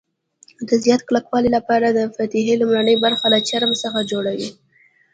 د زیات کلکوالي لپاره د فیتې لومړنۍ برخه له چرم څخه جوړوي.